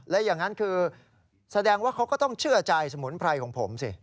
และอย่างนั้นคือแสดงว่าเขาก็ต้องเชื่อใจสมุนไพรของผมสิ